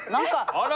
あら！